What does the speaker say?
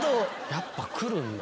やっぱ来るんだ。